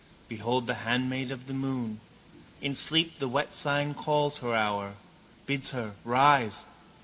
Behold the handmaid of the moon. In sleep the wet sign calls her hour, bids her rise.